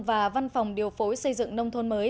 và văn phòng điều phối xây dựng nông thôn mới